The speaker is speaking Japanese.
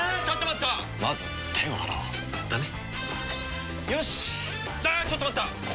ちょっと待った！